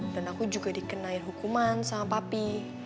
dan aku juga dikenain hukuman sama papi